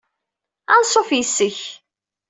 Anṣuf yes-k!